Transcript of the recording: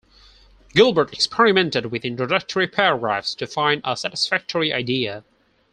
Gilbert experimented with introductory paragraphs to find a satisfactory idea.